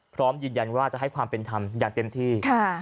พร้อมยืนยันว่าจะให้ความเป็นธรรมอย่างเต็มที่